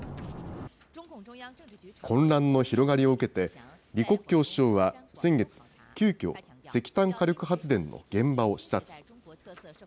混乱の広がりを受けて、李克強首相は先月、急きょ、石炭火力発電の現場を視察。